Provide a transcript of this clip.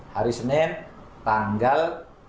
hari senin tanggal